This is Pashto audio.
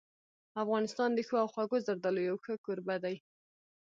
افغانستان د ښو او خوږو زردالو یو ښه کوربه دی.